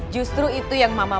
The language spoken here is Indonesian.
justru itu yang mama